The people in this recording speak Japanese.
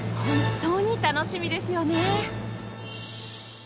本当に楽しみですよね